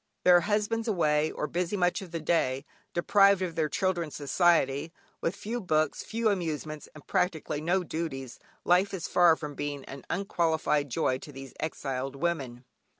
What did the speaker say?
Their husbands away, or busy much of the day, deprived of their children's society, with few books, few amusements, and practically no duties, life is far from being an unqualified joy to these exiled women.